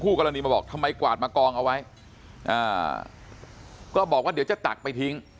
กรณีมาบอกทำไมกวาดมากองเอาไว้อ่าก็บอกว่าเดี๋ยวจะตักไปทิ้ง